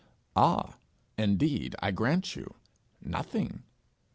'Ah, indeed, I grant you, nothing!